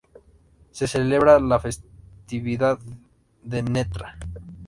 Se celebra la festividad de Ntra.